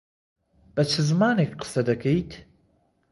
بە چ زمانێک قسە دەکەیت؟